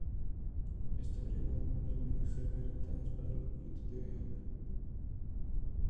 Ésta agregaba unas medidas experimentales para longitudes de onda.